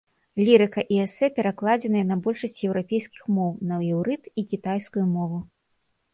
Лірыка і эсэ перакладзеныя на большасць еўрапейскіх моў, на іўрыт і кітайскую мову.